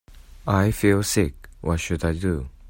I feel sick, what should I do?